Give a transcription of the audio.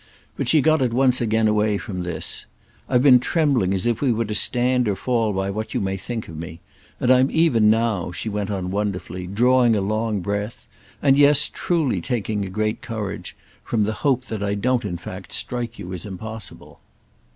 But she got at once again away from this. "I've been trembling as if we were to stand or fall by what you may think of me; and I'm even now," she went on wonderfully, "drawing a long breath—and, yes, truly taking a great courage—from the hope that I don't in fact strike you as impossible."